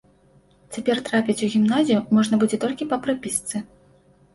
Цяпер трапіць у гімназію можна будзе толькі па прапісцы.